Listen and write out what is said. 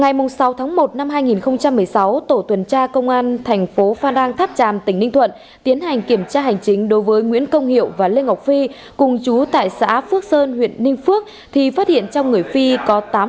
cơ quan cảnh sát điều tra công an huyện ninh phước tỉnh ninh thuận cho biết vừa ra quyết định khởi tố vụ án khởi tố bị can